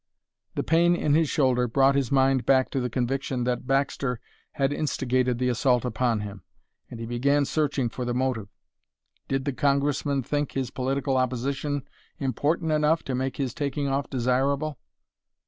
The pain in his shoulder brought his mind back to the conviction that Baxter had instigated the assault upon him, and he began searching for the motive. Did the Congressman think his political opposition important enough to make his taking off desirable?